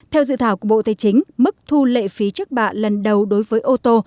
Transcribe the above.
theo dự thảo của bộ tài chính mức thu lệ phí trước bạ lần đầu đối với ô tô